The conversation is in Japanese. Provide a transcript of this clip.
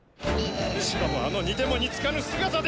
しかもあの似ても似つかぬ姿で。